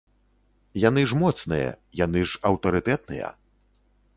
Яны ж моцныя, яны ж аўтарытэтныя.